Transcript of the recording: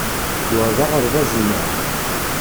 Wa d aɣerbaz-nneɣ.